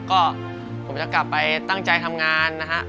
ก็ผมจะกลับไปตั้งใจทำงานนะฮะ